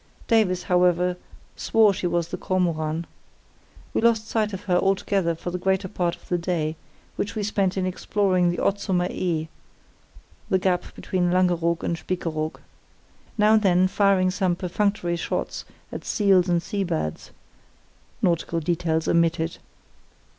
Davies, however, swore she was the Kormoran. We lost sight of her altogether for the greater part of the day, which we spent in exploring the Otzumer Ee (the gap between Langeoog and Spiekeroog), now and then firing some perfunctory shots at seals and sea birds ... (nautical details omitted).